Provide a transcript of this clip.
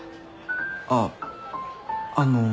あっあの。